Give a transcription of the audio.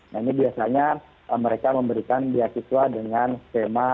nah ini biasanya mereka memberikan beasiswa dengan skema